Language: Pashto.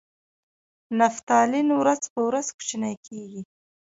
نفتالین ورځ په ورځ کوچنۍ کیږي.